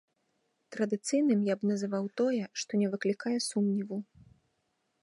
Традыцыйным я б называў тое, што не выклікае сумневу.